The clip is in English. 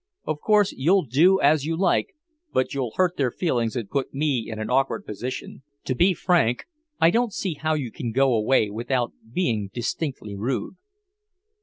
Of course, you'll do as you like, but you'll hurt their feelings and put me in an awkward position. To be frank, I don't see how you can go away without being distinctly rude."